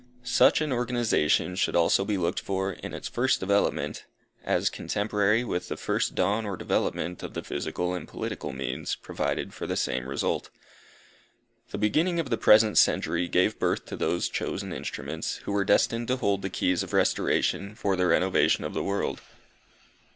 Such an organization should also be looked for, in its first development, as cotemporary with the first dawn or development of the physical and political means provided for the same result. The beginning of the present century gave birth to those chosen instruments who were destined to hold the keys of restoration for the renovation of the world.